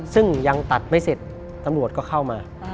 ซึ่งยังตัดไม่เสร็จตำรวจก็เข้ามา